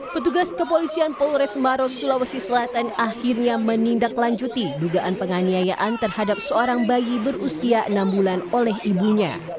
petugas kepolisian polres maros sulawesi selatan akhirnya menindaklanjuti dugaan penganiayaan terhadap seorang bayi berusia enam bulan oleh ibunya